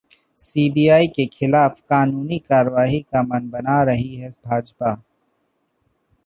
CBI के खिलाफ कानूनी कार्रवाई का मन बना रही है भाजपा